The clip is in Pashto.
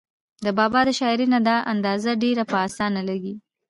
د بابا د شاعرۍ نه دا اندازه ډېره پۀ اسانه لګي